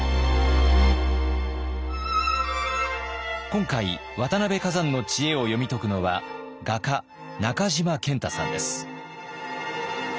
今回渡辺崋山の知恵を読み解くのは画家中島健太さんです。